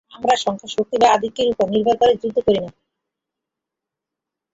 আমরা সংখ্যা, শক্তি বা আধিক্যের উপর নির্ভর করে যুদ্ধ করি না।